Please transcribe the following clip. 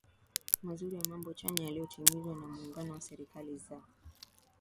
mzuri wa mambo chanya yaliyotimizwa na muungano wa serikali za